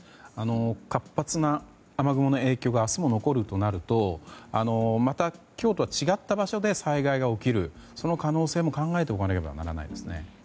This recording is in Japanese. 活発な雨雲の影響が明日も残るとなるとまた、今日とは違った場所で災害が起きるその可能性も考えておかなければならないですね。